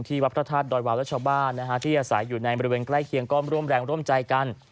วัดพระธาตุดอยวาวและชาวบ้านที่อาศัยอยู่ในบริเวณใกล้เคียงก็ร่วมแรงร่วมใจกัน